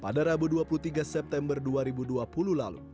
pada rabu dua puluh tiga september dua ribu dua puluh lalu